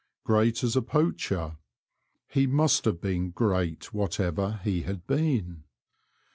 Great as a poacher, he must have been great whatever he had been.